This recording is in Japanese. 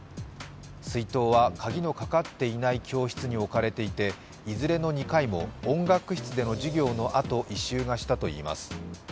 水筒は鍵のかかっていない教室に置かれていて、いずれ２回も、音楽室での授業のあと、異臭がしたといいます。